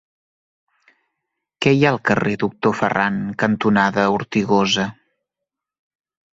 Què hi ha al carrer Doctor Ferran cantonada Ortigosa?